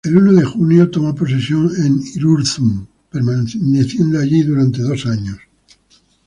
El uno de junio toma posesión en Irurzun, permaneciendo allí durante dos años.